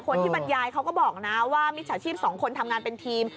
คนที่บรรยายเขาก็บอกนะว่ามิจฉาชีพ๒คนทำงานเป็นทีม